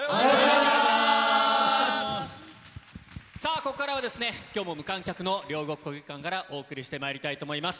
ここからは、きょうも無観客の両国国技館からお送りしてまいりたいと思います。